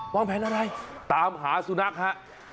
วางแผนอะไรตามหาสุนัขฮะ